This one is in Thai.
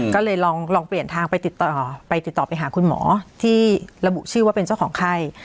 ก็เลยลองเปลี่ยนทางไปติดต่อไปติดต่อไปหาคุณหมอที่ระบุชื่อว่าเป็นเจ้าของไข้